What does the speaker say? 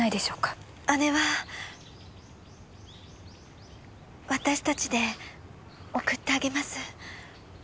姉は私たちで送ってあげます。